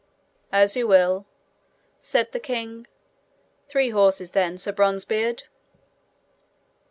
'As you will,' said the king. 'Three horses then, Sir Bronzebeard.'